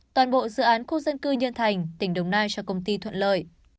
toàn bộ dự án khu dân cư nhân thành tỉnh đồng nai cho công ty thuận lợi